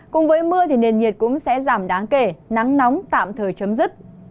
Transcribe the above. cùng với mưa thì nền nhiệt cũng sẽ giảm đáng kể nắng nóng tạm thời chấm dứt